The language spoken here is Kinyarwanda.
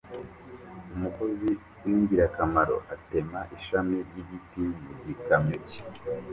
Umukozi w'ingirakamaro atema ishami ry'igiti mu gikamyo cye